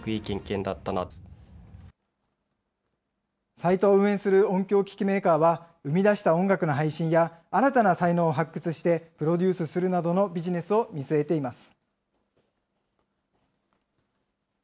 サイトを運営する音響機器メーカーは、生み出した音楽の配信や、新たな才能を発掘してプロデュースするなどのビジネスを見据えています。